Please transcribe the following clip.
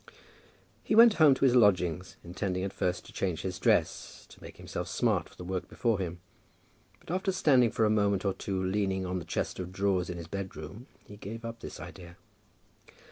He went home to his lodgings, intending at first to change his dress, to make himself smart for the work before him, but after standing for a moment or two leaning on the chest of drawers in his bed room, he gave up this idea.